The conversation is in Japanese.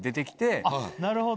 なるほど。